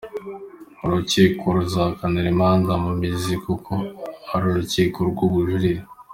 Uru rukiko ntiruzakira imanza mu mizi kuko ni urukiko rw’ubujurire.